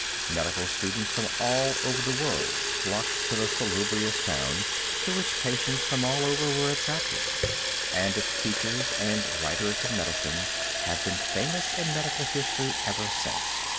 Medical students from all over the world flocked to the salubrious town to which patients from all over were attracted, and its teachers and writers of medicine have been famous in medical history ever since.